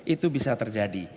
itu bisa terjadi